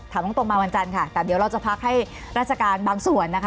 ตรงมาวันจันทร์ค่ะแต่เดี๋ยวเราจะพักให้ราชการบางส่วนนะคะ